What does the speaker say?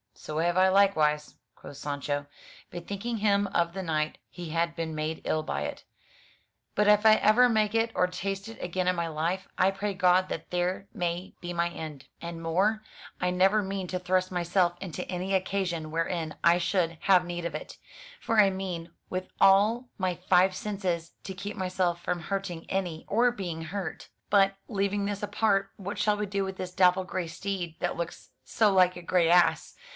"So have I likewise," quoth Sancho, — bethinking him of the night he had been made ill by it, "but if ever I make it or taste it again in my life, I pray God that here may be mine end. And ^•'^T/^^~^'' /////A '^ £^S<:'' '\— rAk. 105 MY BOOK HOUSE more, I never mean to thrust myself into any occasion wherein I should have need of it. For I mean, with all my five senses, to keep myself from hurting any, or being hurt. But, leaving this apart, what shall we do with this dapple grey steed, that looks so like a grey ass?